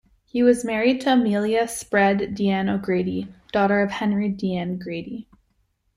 He was married to Amelia Spread Deane O'Grady, daughter of Henry Deane Grady.